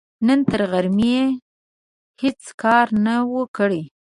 نن تر غرمې يې هيڅ کار نه و، کړی.